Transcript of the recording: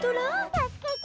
助けて！